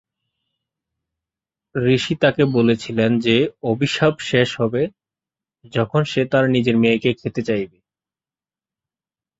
ঋষি তাকে বলেছিলেন যে অভিশাপ শেষ হবে যখন সে তার নিজের মেয়েকে খেতে চাইবে।